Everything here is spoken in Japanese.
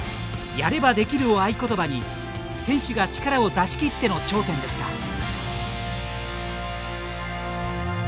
「やれば出来る」を合言葉に選手が力を出し切っての頂点でした。